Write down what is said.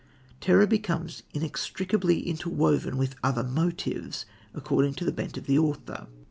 Terror becomes inextricably interwoven with other motives according to the bent of the author.